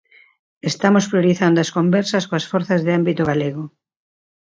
Estamos priorizando as conversas coas forzas de ámbito galego.